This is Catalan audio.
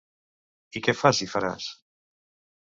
I què fas i faràs?